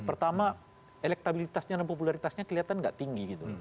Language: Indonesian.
pertama elektabilitasnya dan popularitasnya kelihatan nggak tinggi gitu